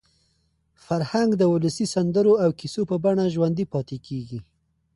فرهنګ د ولسي سندرو او کیسو په بڼه ژوندي پاتې کېږي.